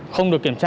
không được kiểm tra